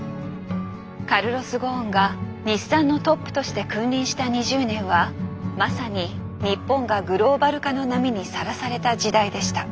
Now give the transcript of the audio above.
カルロス・ゴーンが日産のトップとして君臨した２０年はまさに日本がグローバル化の波にさらされた時代でした。